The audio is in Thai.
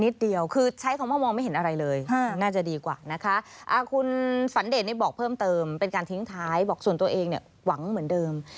เดียวคือใช้คำว่ามองไม่เห็นอะไรเลยน่าจะดีกว่านะคะคุณฝันเดชนี่บอกเพิ่มเติมเป็นการทิ้งท้ายบอกส่วนตัวเองเนี่ยหวังเหมือนเดิม